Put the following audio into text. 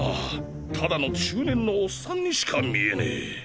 ただの中年のオッサンにしか見えねぇ。